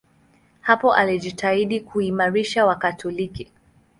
Hapo alijitahidi kuimarisha Wakatoliki.